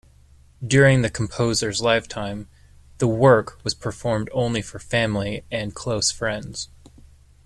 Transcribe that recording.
During the composer's lifetime, the work was performed only for family and close friends.